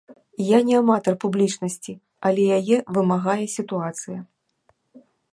Я не аматар публічнасці, але яе вымагае сітуацыя.